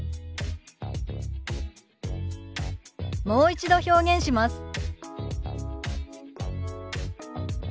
もう一度表現します。